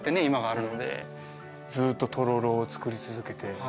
今があるのでずっととろろを作り続けて？